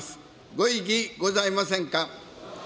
ご異議ございませんか。